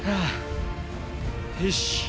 よし。